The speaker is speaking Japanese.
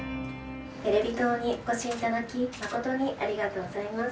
テレビ塔にお越し頂きまことにありがとうございます。